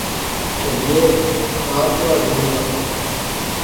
چہلیے، پار کیہڑا دور دا